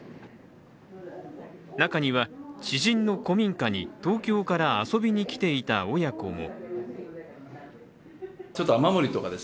中には知人の古民家に東京から遊びに来ていた親子も。